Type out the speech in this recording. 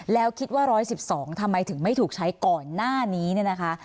แล้วคิดว่า๑๑๒ทำไมถึงไม่ถูกใช้ก่อนหน้านี้เนี่ยนะคะ